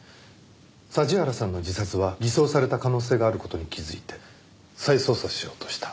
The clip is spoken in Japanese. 桟原さんの自殺は偽装された可能性がある事に気づいて再捜査しようとした。